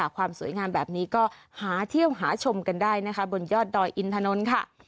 ความสวยงามแบบนี้ก็หาเที่ยวหาชมกันได้นะคะบนยอดดอยอินถนนค่ะ